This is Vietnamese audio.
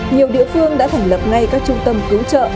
nhiều địa phương đã thành lập ngay các trung tâm cứu trợ